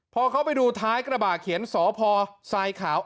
พอเขาไปดูท้ายกระบะเขียนสพทรายขาว